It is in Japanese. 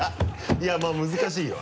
いやまぁ難しいよね